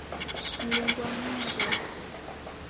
Mlungu wamanya ghose.